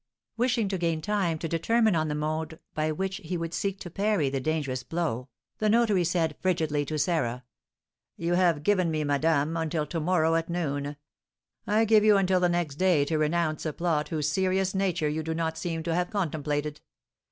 Wishing to gain time to determine on the mode by which he would seek to parry the dangerous blow, the notary said, frigidly, to Sarah: "You have given me, madame, until to morrow at noon; I give you until the next day to renounce a plot whose serious nature you do not seem to have contemplated.